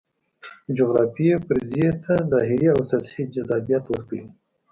دا جغرافیوي فرضیې ته ظاهري او سطحي جذابیت ورکوي.